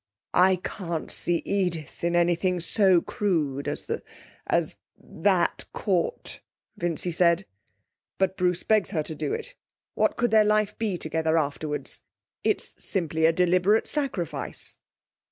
'I can't see Edith in anything so crude as the as that court,' Vincy said. 'But Bruce begs her to do it. What could their life be together afterwards? It's simply a deliberate sacrifice.'